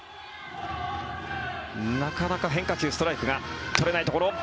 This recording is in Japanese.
なかなか変化球ストライクが取れないところ。